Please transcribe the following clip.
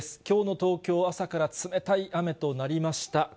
きょうの東京は朝から冷たい雨となりました。